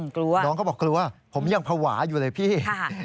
กลัวคุณน้องก็บอกกลัวผมยังภาวะอยู่เลยพี่ค่ะ